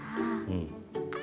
うん。